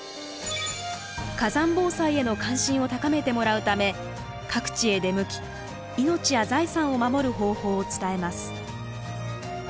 火山防災への関心を高めてもらうため各地へ出向き命や財産を守る方法を伝えます。